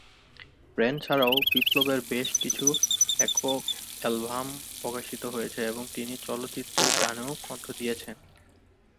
Band ছাড়াও বিপ্লবের বেশকিছু একক অ্যালবাম প্রকাশিত হয়েছে এবং তিনি চলচ্চিত্রের গানেও কণ্ঠ দিয়েছেন।